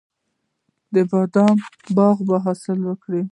د بادامو باغ به حاصل وکړي.